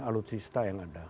alutsista yang ada